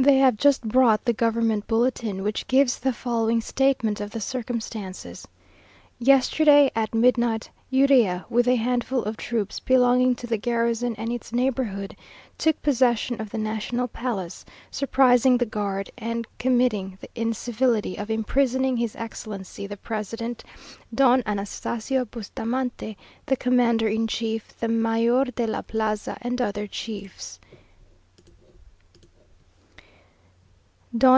They have just brought the government bulletin, which gives the following statement of the circumstances: "Yesterday, at midnight, Urrea, with a handful of troops belonging to the garrison and its neighbourhood took possession of the National Palace, surprising the guard, and Committing the incivility of imprisoning His Excellency the President, Don Anastasio Bustamante, the commander in chief, the Mayor de la Plaza, and other chiefs.